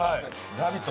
「ラヴィット！」